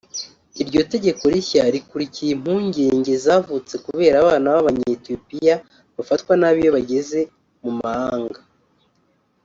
Iryo tegeko rishya rikurikiye impungenge zavutse kubera abana b’abanyaethiopiya bafatwa nabi iyo bageze mu mahanga